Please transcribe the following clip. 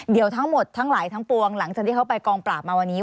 เดี๋ยวทั้งหมดทั้งหลายทั้งปวงหลังจากที่เขาไปกองปราบมาวันนี้